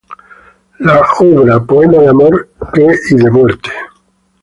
La obra "Poemas de amor", que y de muerte.